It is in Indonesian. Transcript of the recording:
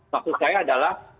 maksud saya adalah